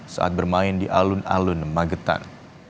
saat bermain di alun alun magetan